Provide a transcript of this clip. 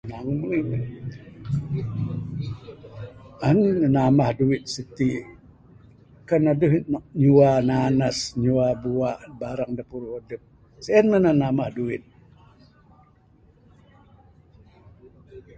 Ngamin, anih nan namah duit siti kan adeh nak nyua nanas nyua buak, barang da puruh adep, sien mah nan namah duit.